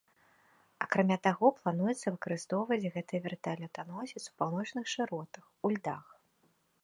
Акрамя таго, плануецца выкарыстоўваць гэты верталётаносец у паўночных шыротах, у льдах.